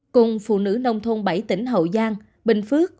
cùng phụ nữ nông thôn bảy tỉnh hậu giang bình phước